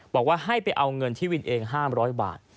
บอกว่าให้ไปเอาเงินที่วินเอง๕๐๐บาท